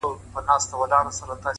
هره تجربه د ژوند درس دی